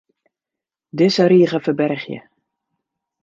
Dizze rige ferbergje.